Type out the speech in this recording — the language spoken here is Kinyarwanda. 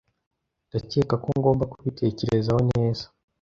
Ndakeka ko ngomba kubitekerezaho neza.